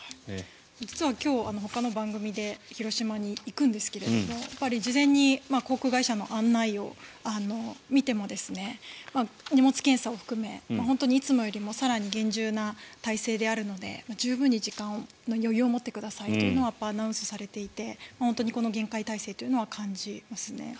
実は今日ほかの番組で広島に行くんですけども事前に航空会社の案内を見ても荷物検査を含めいつもより厳重な態勢であるので十分に時間の余裕を持ってくださいというのがアナウンスされていてこの厳戒態勢というのは感じますね。